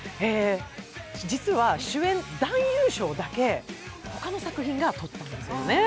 実は主演男優賞だけ、他の作品が取っているんですよね。